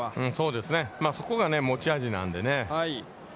そこが持ち味なんでね。